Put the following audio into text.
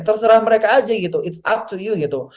terserah mereka aja gitu it's up to you gitu